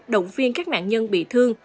động viên các nạn nhân bị thương